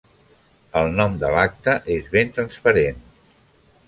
El nom de l’acte és ben transparent.